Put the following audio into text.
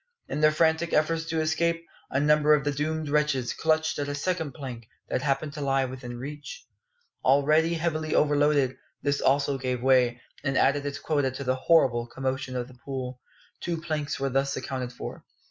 In their frantic efforts to escape, a number of the doomed wretches clutched at a second plank that happened to lie within reach. Already heavily overloaded, this also gave way, and added its quota to the horrible commotion of the pool. Two planks were thus accounted for.